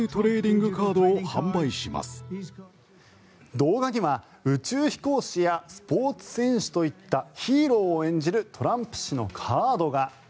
動画には宇宙飛行士やスポーツ選手といったヒーローを演じるトランプ氏のカードが。